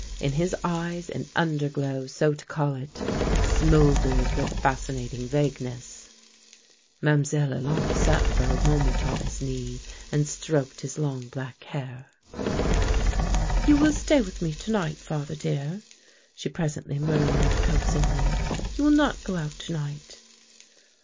In his eyes an underglow, so to call it, smoldered with fascinating vagueness. Mlle. Olympe sat for a moment on his knee and stroked his long black hair. "You will stay with me to night, father, dear," she presently murmured, coaxingly; "you will not go out to night."